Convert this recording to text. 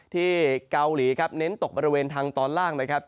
ที่เกาหลีครับเน้นตกบริเวณทางตอนล่างนะครับ